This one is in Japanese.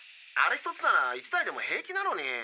あれ一つなら１台でも平気なのに。